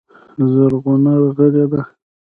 زرغونه غلې ده .